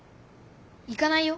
行かないよ。